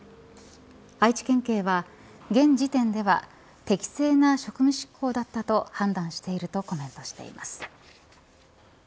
愛知県警は現時点では適正な職務執行だったと判断しているとコメントしています。